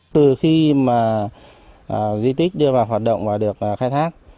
từ khi mà di tích đưa vào hoạt động và được khai thác